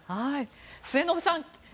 末延さん